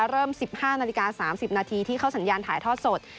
เริ่ม๑๕นาฬิกา๓๐นาทีที่เข้าสัญญาณถ่ายทอดสด